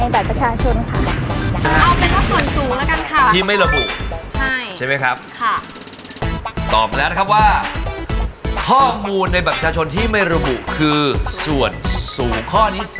บัตรใหม่คุ้นว่ามันไม่มี